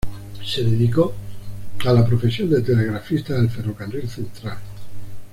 Se dedicó a la profesión de telegrafista del Ferrocarril Central.